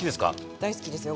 大好きですよ